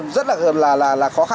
và chụp hạ anh chị